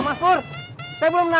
mas pur saya belum naik